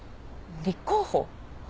立候補？